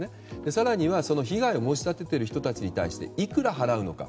更には、被害を申し立てている人たちに対していくら払うのか。